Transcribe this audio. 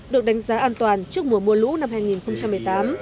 được đánh giá an toàn trước mùa mưa lũ năm hai nghìn một mươi tám